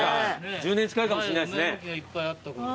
１０年近いかもしれないですね。